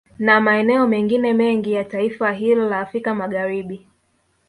Na maeneo mengine mengi ya taifa hilo la Afrika Magharibi